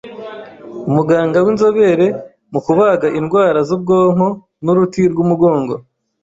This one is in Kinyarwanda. Umuganga w’inzobere mu kubaga indwara z’ubwonko n’uruti rw’umugongo